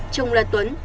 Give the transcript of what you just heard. chồng là tuấn